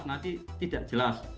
nanti tidak jelas